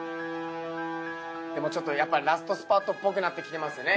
でもちょっとやっぱラストスパートっぽくなってきてますね。